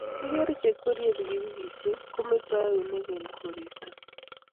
igeere che igwerie pikipikishek kometoi eunek eng koristo